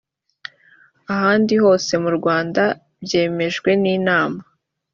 ahandi hose mu rwanda byemejwe n’inama